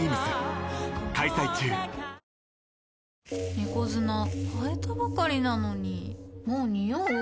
猫砂替えたばかりなのにもうニオう？